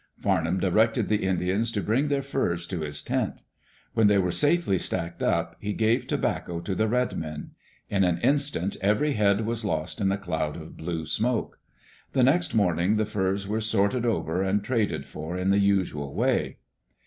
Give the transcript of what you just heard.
Famham directed the Indians to bring dieir furs to his tent When they were safely stacked up, he gave tobacco to the red men. In an instant every head was lost in a cloud of blue smoke. The next morning die furs were sorted over and traded for in the usual way.